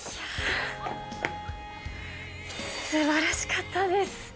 すばらしかったです。